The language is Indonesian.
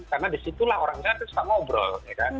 karena disitulah orang kita suka ngobrol